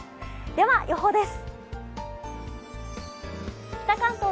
では、予報です。